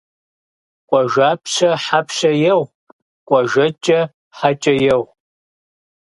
Къуажапщэ хьэпщэ егъу, къуажэкӀэ хьэкӀэ егъу.